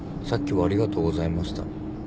さっきはありがとうございました。